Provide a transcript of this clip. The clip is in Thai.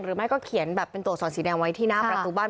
ไม่ก็เขียนแบบเป็นตัวอักษรสีแดงไว้ที่หน้าประตูบ้าน